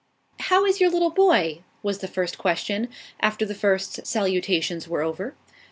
"How is your little boy?" was the first question, after the first salutations were over.